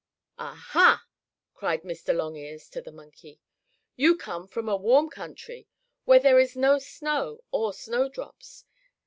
"Ah, ha!" cried Mr. Longears to the monkey. "You come from a warm country, where there is no snow or snowdrops.